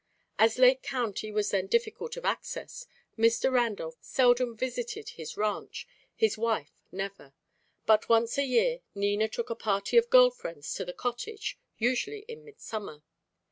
As Lake County was then difficult of access, Mr. Randolph seldom visited his ranch, his wife never; but once a year Nina took a party of girl friends to the cottage, usually in mid summer.